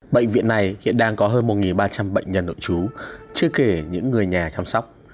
bệnh viện này hiện đang có hơn một ba trăm linh bệnh nhân nội trú chưa kể những người nhà chăm sóc